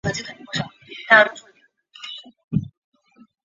其中主要香港成为收入来源。